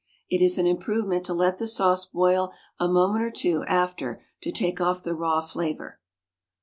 It is an improvement to let the sauce boil a moment or two after to take off the raw flavour.